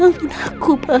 kau takutkan pada aku pak